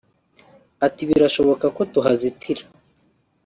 Ati “Birashoboka ko tuhazitira